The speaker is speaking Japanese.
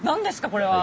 これは。